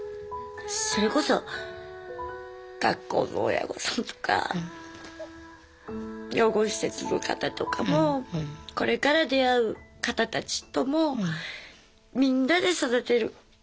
それこそ学校も親御さんとか養護施設の方とかもこれから出会う方たちともみんなで育てる感じでいいような気がします。